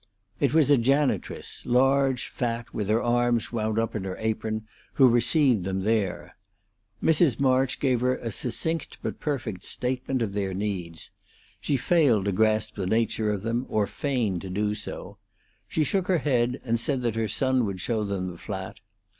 It was a janitress, large, fat, with her arms wound up in her apron, who received them there. Mrs. March gave her a succinct but perfect statement of their needs. She failed to grasp the nature of them, or feigned to do so. She shook her head, and said that her son would show them the flat.